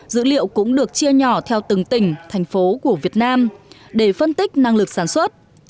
dữ liệu cũng được chia nhỏ theo từng tỉnh thành phố của việt nam để phân tích năng lực sản xuất